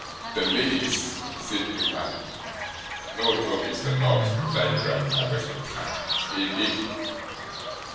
'THE ladies?' said Newman. 'No, no, Mr. Noggs,' replied Gride, arresting his hand, 'A lady.